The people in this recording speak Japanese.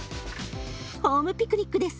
ホームピクニックです。